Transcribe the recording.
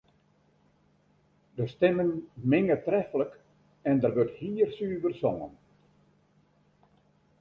De stimmen minge treflik en der wurdt hiersuver songen.